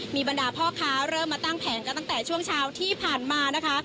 มีบรรดาพ่อค้าเริ่มมาตั้งแผงกันตั้งแต่ช่วงเช้าที่ผ่านมานะคะ